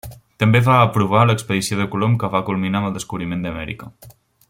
També va aprovar l'expedició de Colom que va culminar amb el descobriment d'Amèrica.